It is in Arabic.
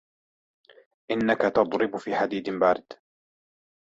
إنك تضرب في حديد بارد